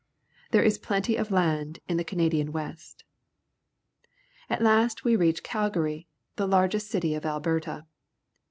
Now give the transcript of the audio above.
There is plenty of land in the Canadian West. At last we reach Cak/aii/, the largest city of Alberta.